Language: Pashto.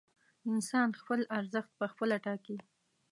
انسان خپل ارزښت پخپله ټاکي.